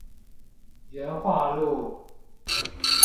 元化路